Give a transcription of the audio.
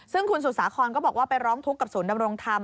ซึ่งคุณสุสาครก็บอกว่าไปร้องทุกข์กับศูนย์ดำรงธรรม